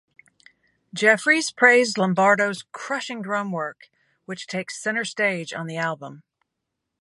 Jeffries praised Lombardo's "crushing drum work" which takes center stage on the album.